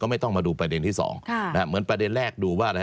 เหมือนประเด็นแรกดูว่า